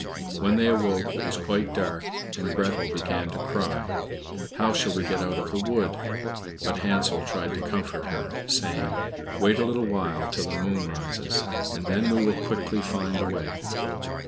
When they awoke it was quite dark, and Gretel began to cry, "How shall we get out of the wood?" But Hansel tried to comfort her, saying, "Wait a little while till the moon rises, and then we will quickly find the way."